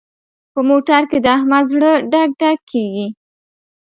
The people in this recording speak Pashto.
په موټر کې د احمد زړه ډک ډک کېږي.